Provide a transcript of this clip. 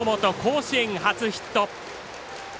榎本、甲子園初ヒット。